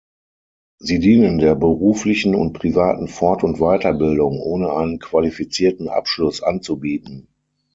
Sie dienen der beruflichen und privaten Fort- und Weiterbildung, ohne einen qualifizierten Abschluss anzubieten.